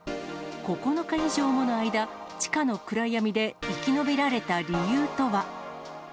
９日以上もの間、地下の暗闇で生き延びられた理由とは。